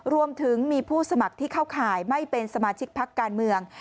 รวมถึงมีผู้สมัครที่เข้าข่ายไม่เป็นสมาชิกพักการเมือง